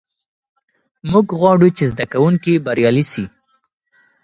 موږ غواړو چې زده کوونکي بریالي سي.